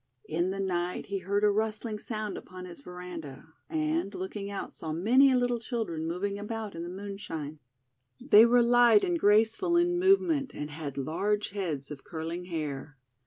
In the night he heard a rustling sound upon his veranda, and, looking out, saw many little children moving about in the moon shine. They were light and graceful in move ment, and had large heads of curling hair.